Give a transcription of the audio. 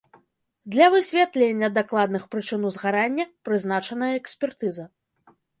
Для высвятлення дакладных прычын узгарання прызначаная экспертыза.